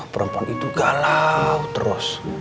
perempuan itu galau terus